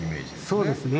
そうですね